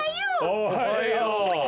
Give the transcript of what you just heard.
おはよう！